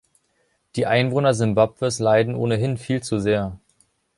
Die Einwohner Simbabwes leiden ohnehin viel zu sehr.